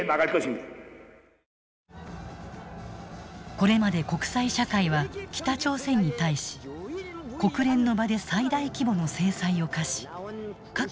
これまで国際社会は北朝鮮に対し国連の場で最大規模の制裁を科し核・ミサイル開発を食い止めようとしてきた。